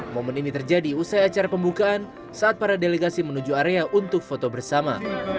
momen ini terjadi usai acara pembukaan saat para delegasi menuju area untuk foto bersama